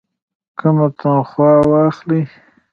کمه تنخواه واخلي.